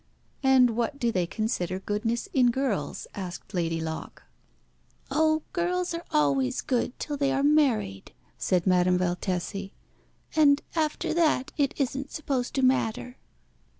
"And what do they consider goodness in girls?" asked Lady Locke. "Oh, girls are always good till they are married," said Madame Valtesi. "And after that it isn't supposed to matter."